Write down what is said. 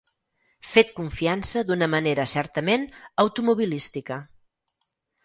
Fet confiança d'una manera certament automobilística.